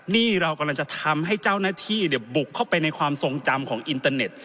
นี่เรากำลังจะทำให้เจ้าหน้าที่บุกเข้าไปในความทรงจำของอินเตอร์เน็ต